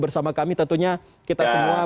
bersama kami tentunya kita semua